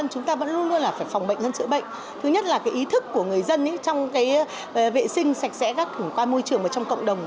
chúng ta vẫn luôn luôn phải phòng bệnh dân sự bệnh thứ nhất là ý thức của người dân trong vệ sinh sạch sẽ các khủng quan môi trường trong cộng đồng